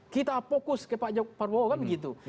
kita fokus ke pak prabowo kan begitu